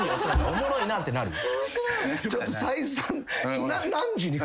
おもろいなってなるよ。